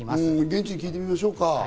現地に聞いてみましょうか。